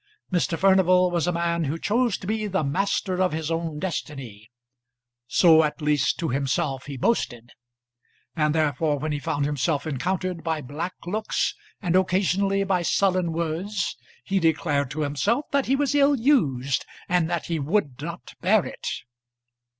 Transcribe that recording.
Mr. Furnival was a man who chose to be the master of his own destiny, so at least to himself he boasted; and therefore when he found himself encountered by black looks and occasionally by sullen words, he declared to himself that he was ill used and that he would not bear it.